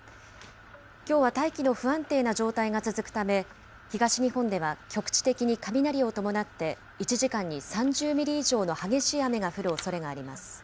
きょうは大気の不安定な状態が続くため、東日本では局地的に雷を伴って１時間に３０ミリ以上の激しい雨が降るおそれがあります。